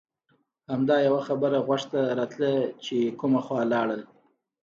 همدا یوه خبره غوږ ته راتله چې کومه خوا لاړل.